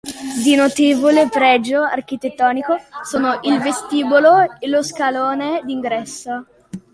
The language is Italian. Di notevole pregio architettonico sono il vestibolo e lo scalone d'ingresso.